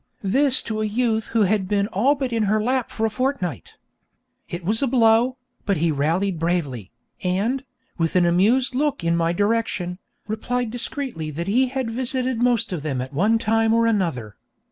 this to a youth who had been all but in her lap for a fortnight. It was a blow, but he rallied bravely, and, with an amused look in my direction, replied discreetly that he had visited most of them at one time or another.